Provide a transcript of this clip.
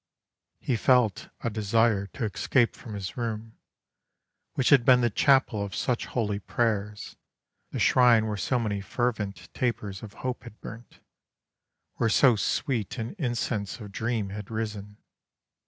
He felt a desire to escape from his room, which had been the chapel of such holy prayers, the shrine where so many fervent tapers of hope had burnt, where so sweet an incense of dream had risen.